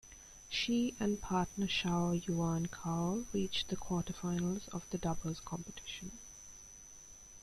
She and partner Shao-Yuan Kao reached the quarterfinals of the doubles competition.